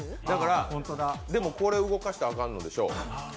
でも、これを動かしたらあかんのでしょう。